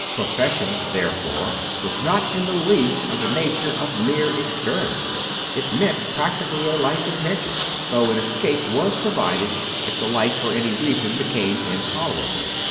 Profession, therefore, was not in the least of the nature of a mere experiment: it meant practically a life intention, though an escape was provided if the life for any reason became intolerable.